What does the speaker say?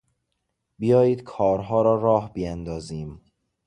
بیایید کارها را راه بیاندازیم!